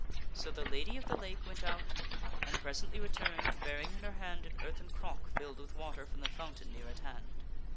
So the Lady of the Lake went out, and presently returned, bearing in her hand an earthen crock filled with water from the fountain near at hand.